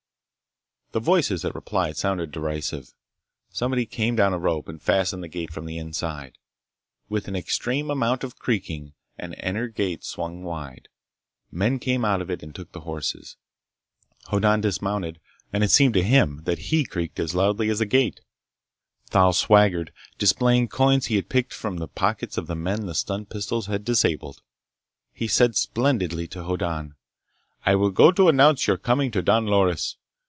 The voices that replied sounded derisive. Somebody came down a rope and fastened the gate from the inside. With an extreme amount of creaking, an inner gate swung wide. Men came out of it and took the horses. Hoddan dismounted, and it seemed to him that he creaked as loudly as the gate. Thal swaggered, displaying coins he had picked from the pockets of the men the stun pistols had disabled. He said splendidly to Hoddan: "I go to announce your coming to Don Loris.